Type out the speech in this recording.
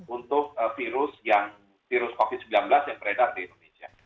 untuk virus covid sembilan belas yang beredar di indonesia